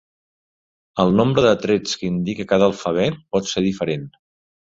El nombre de trets que indica cada alfabet pot ser diferent.